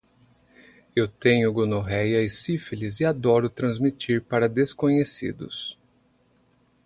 Eu tenho gonorreia e sífilis e adoro transmitir para desconhecidos